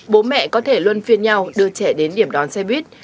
bố mẹ có thể luôn phiên nhau đưa trẻ đến điểm đón xe buýt